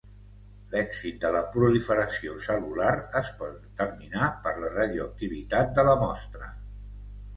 L'èxit de la proliferació cel·lular, es pot determinar per la radioactivitat de la mostra.